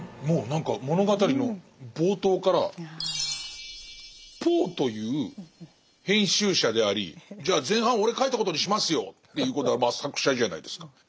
もう何か物語の冒頭からポーという編集者でありじゃあ前半俺書いたことにしますよということはまあ作者じゃないですか。